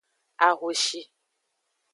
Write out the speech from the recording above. Ahoshi.